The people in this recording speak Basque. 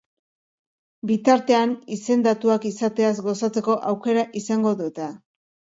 Bitartean, izendatuak izateaz gozatzeko aukera izango dute.